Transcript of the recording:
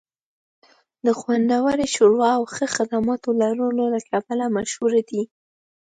د خوندورې ښوروا او ښه خدماتو لرلو له کبله مشهور دی